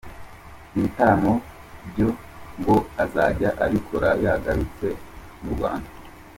Ibitaramo byo ngo azajya abikora yagarutse mu Rwanda.